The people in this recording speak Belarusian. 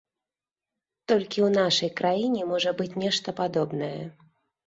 Толькі ў нашай краіне можа быць нешта падобнае.